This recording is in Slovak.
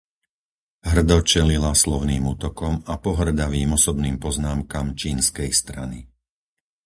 Hrdo čelila slovným útokom a pohŕdavým osobným poznámkam čínskej strany.